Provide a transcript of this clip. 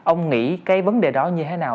ông nghĩ cái vấn đề đó như thế nào